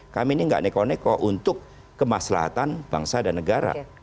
kami ini tidak neko neko untuk kemaslahan bangsa dan negara